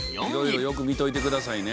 色々よく見といてくださいね。